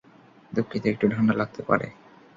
দুঃখিত, একটু ঠাণ্ডা লাগতে পারে।